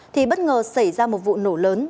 thì bất ngờ xảy ra một vụ nổ lớn